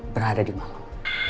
berada di malam